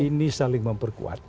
ini saling memperkuat